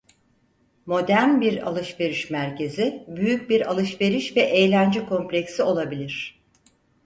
Modern bir alışveriş merkezi büyük bir alışveriş ve eğlence kompleksi olabilir.